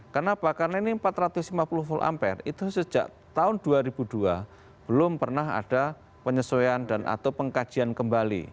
kenapa karena ini empat ratus lima puluh volt ampere itu sejak tahun dua ribu dua belum pernah ada penyesuaian dan atau pengkajian kembali